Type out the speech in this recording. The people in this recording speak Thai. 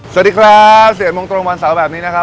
สวัสดีครับ๑๑โมงตรงวันเสาร์แบบนี้นะครับ